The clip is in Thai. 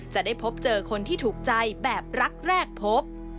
จะได้พบเจอคนที่ถูกใจแบบรักแรกพบ